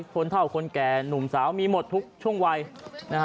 คนเท่าคนแก่หนุ่มสาวมีหมดทุกช่วงวัยนะฮะ